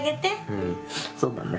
うんそうだね。